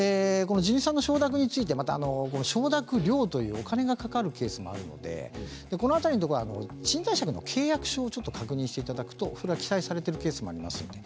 地主さんの承諾について承諾料というお金がかかるケースがあるのでこの辺りは賃貸借の契約書を確認していただくと記載されているケースがあります。